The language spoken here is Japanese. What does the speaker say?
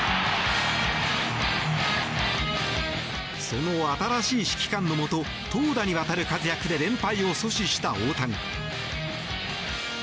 その新しい指揮官のもと投打にわたる活躍で連敗を阻止した大谷。